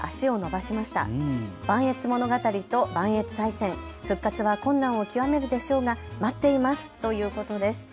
ばんえつ物語と磐越西線、復活は困難を極めるでしょうが待っていますということです。